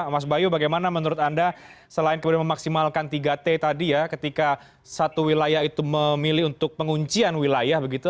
mas bayu bagaimana menurut anda selain kemudian memaksimalkan tiga t tadi ya ketika satu wilayah itu memilih untuk penguncian wilayah begitu